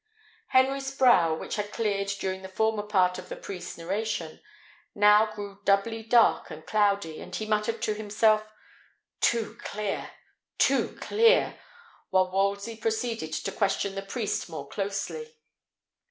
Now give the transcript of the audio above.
Henry's brow, which had cleared during the former part of the priest's narration, now grew doubly dark and cloudy; and he muttered to himself, "Too clear! too clear!" while Wolsey proceeded to question the priest more closely.